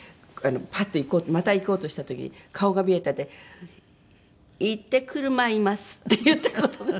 パッて行こうまた行こうとした時に顔が見えたんで「行ってくるまいります」って言った事があります。